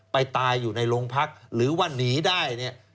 ไปตายอยู่ในโรงพักษ์หรือว่านีได้